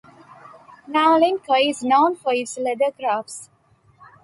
Naolinco is known for its leather-crafts.